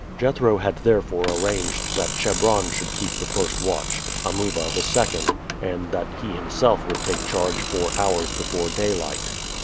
Jethro had therefore arranged that Chebron should keep the first watch, Amuba the second, and that he himself would take charge four hours before daylight.